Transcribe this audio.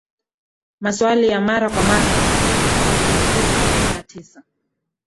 Maswali ya Mara kwa Mara na Majibu kuhusu Uviko kumi na tisa